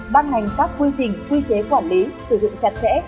ban hành các quy trình quy chế quản lý sử dụng chặt chẽ